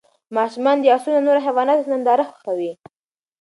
ماشومان د اسونو او نورو حیواناتو ننداره خوښوي.